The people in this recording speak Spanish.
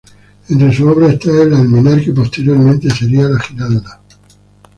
Entre sus obras está el alminar que posteriormente sería la Giralda.